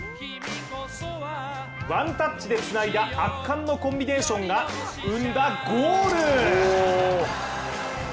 ワンタッチでつないだ圧巻のコンビネーションが生んだゴール